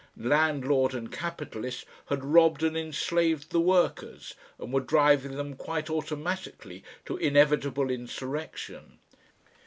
Landlord and capitalist had robbed and enslaved the workers, and were driving them quite automatically to inevitable insurrection.